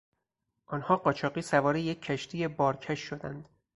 آنها قاچاقی سوار یک کشتی بارکش شدند.